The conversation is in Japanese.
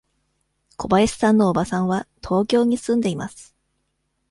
小林さんのおばさんは東京に住んでいます。